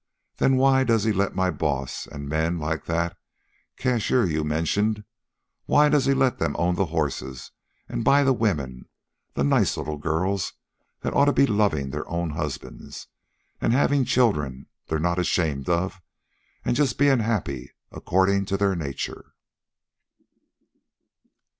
then why does he let my boss, an' men like that cashier you mentioned, why does he let them own the horses, an' buy the women, the nice little girls that oughta be lovin' their own husbands, an' havin' children they're not ashamed of, an' just bein' happy accordin' to their nature?"